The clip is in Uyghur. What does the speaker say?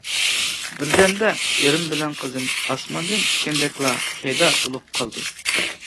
بىردەمدە ئىرىم بىلەن قىزىم ئاسماندىن چۈشكەندەكلا پەيدا بولۇپ قالدى.